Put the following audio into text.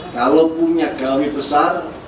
kalau punya gawe besar